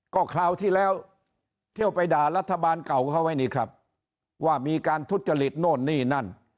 ก็คราวที่แล้วเที่ยวไปด่ารัฐบาลเก่าเขาไว้นี่ครับว่ามีการทุจริตโน่นนี่นั่น